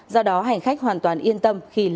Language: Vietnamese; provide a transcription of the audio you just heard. do đó hành khách hoàn toàn yên tâm khi lựa chọn